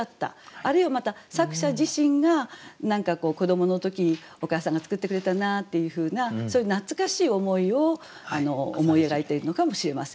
あるいはまた作者自身が何か子どもの時お母さんが作ってくれたなっていうふうなそういう懐かしい思いを思い描いているのかもしれません。